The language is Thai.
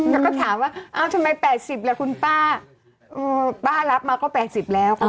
แล้วก็ถามว่าเอ้าทำไม๘๐ล่ะคุณป้าป้ารับมาก็๘๐แล้ว